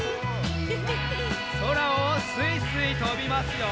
そらをすいすいとびますよ！